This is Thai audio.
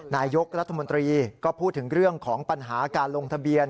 นายกรัฐมนตรีก็พูดถึงเรื่องของปัญหาการลงทะเบียน